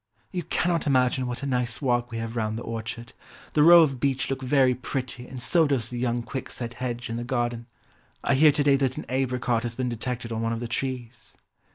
"You cannot imagine what a nice walk we have round the orchard. The row of beech look very pretty and so does the young quick set hedge in the garden. I hear to day that an apricot has been detected on one of the trees."